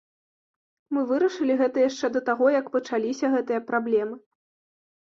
Мы вырашылі гэта яшчэ да таго, як пачаліся гэтыя праблемы.